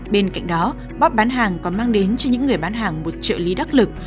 bên cạnh đó bốt bản hàng có mang đến cho những người bán hàng một trợ lý đắc lực